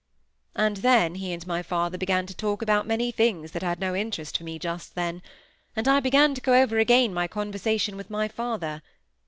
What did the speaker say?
And then he and my father began to talk about many things that had no interest for me just then, and I began to go over again my conversation with my father.